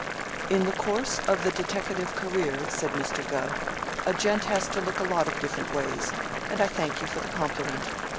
"In the course of the deteckative career," said Mr. Gubb, "a gent has to look a lot of different ways, and I thank you for the compliment.